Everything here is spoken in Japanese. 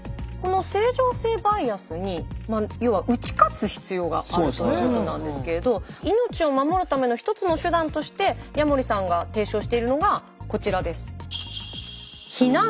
この正常性バイアスに要は打ち勝つ必要があるということなんですけれど命を守るための一つの手段として矢守さんが提唱しているのがこちらです。